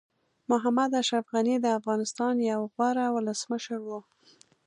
محمد اشرف غني د افغانستان یو غوره ولسمشر وو.